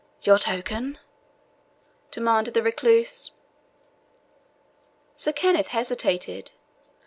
"Your token?" demanded the recluse. Sir Kenneth hesitated.